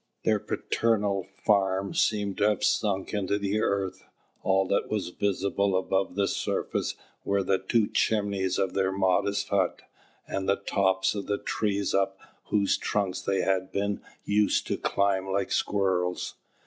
Their paternal farm seemed to have sunk into the earth. All that was visible above the surface were the two chimneys of their modest hut and the tops of the trees up whose trunks they had been used to climb like squirrels.